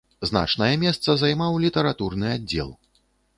Значнае месца займаў літаратурны аддзел.